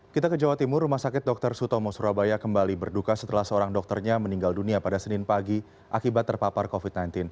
kita ke jawa timur rumah sakit dr sutomo surabaya kembali berduka setelah seorang dokternya meninggal dunia pada senin pagi akibat terpapar covid sembilan belas